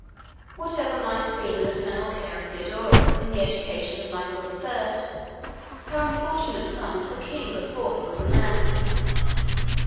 Whatever might have been the maternal care of Theodora in the education of Michael the Third, her unfortunate son was a king before he was a man.